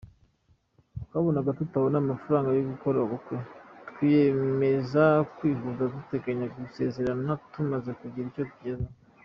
Twabonaga tutabona amafaranga yo gukora ubukwe, twiyemeza kwihuza duteganya kuzasezerana tumaze kugira icyo tugeraho.